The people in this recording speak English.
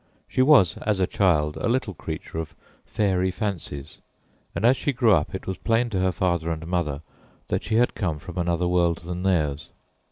She was, as a child, a little creature of fairy fancies, and as she grew up it was plain to her father and mother that she had come from another world than theirs.